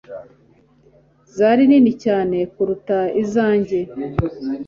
zari nini cyane kuruta izanjye